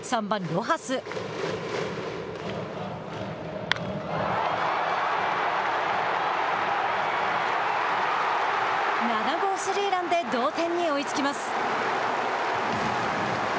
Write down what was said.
７号スリーランで同点に追いつきます。